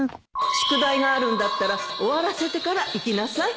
宿題があるんだったら終わらせてから行きなさい